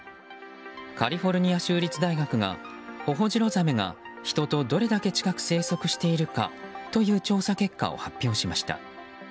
カリフォルニア州立大学がホホジロザメが人とどれだけ近く生息しているかという調査結果を発表しました。